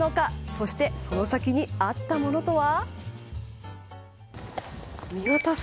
そしてその先にあったものとは。